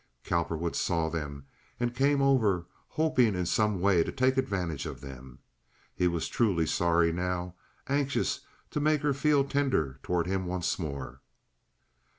Cowperwood saw them and came over, hoping in some way to take advantage of them. He was truly sorry now—anxious to make her feel tender toward him once more.